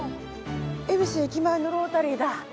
恵比寿駅前のロータリーだ。